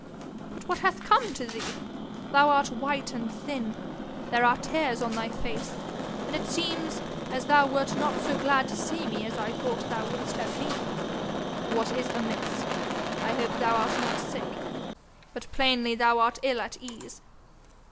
But what hath come to thee? Thou art white and thin, there are tears on thy face, and it seems as thou wert not so glad to see me as I thought thou wouldst have been. What is amiss? I hope thou art not sick but plainly thou art ill at ease!